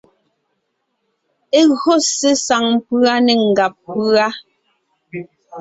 E gÿo ssé saŋ pʉ́a né ngàb pʉ́a.